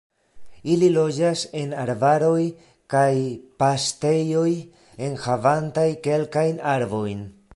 Ili loĝas en arbaroj kaj paŝtejoj enhavantaj kelkajn arbojn.